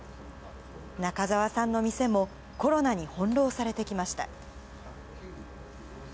中沢さんの店もコロナに翻弄されてきました。